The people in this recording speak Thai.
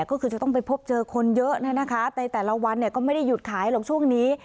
ก็คือจะต้องไปพบเจอคนเยอะในแต่ละวันก็ไม่ได้หยุดขายหรอกช่วงนี้